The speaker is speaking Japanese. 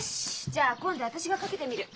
じゃあ今度私がかけてみる。